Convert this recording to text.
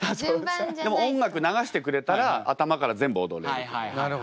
でも音楽流してくれたら頭から全部踊れるけど。